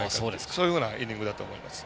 そういうふうなイニングだと思います。